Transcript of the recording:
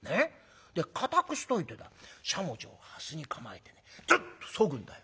で硬くしといてだしゃもじをはすに構えてズッとそぐんだよ。